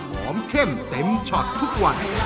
เข้มเต็มช็อตทุกวัน